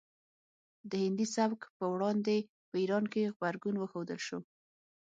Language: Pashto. د هندي سبک په وړاندې په ایران کې غبرګون وښودل شو